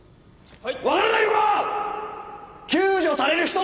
はい！